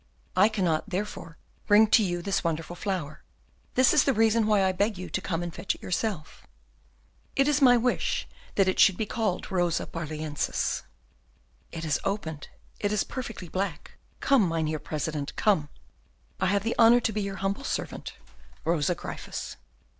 I cannot, therefore, bring to you this wonderful flower. This is the reason why I beg you to come and fetch it yourself. "It is my wish that it should be called Rosa Barlœnsis. "It has opened; it is perfectly black; come, Mynheer President, come. "I have the honour to be your humble servant, "Rosa Gryphus.